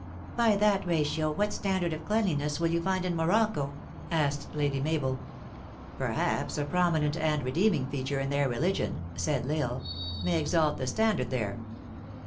" By that ratio, what standard of cleanliness will you find in Morocco ?" asked Lady Mabel. "Perhaps a prominent and redeeming feature in their religion," said L Isle, " may exalt the standard there.